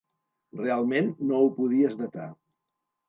Realment no ho podies datar.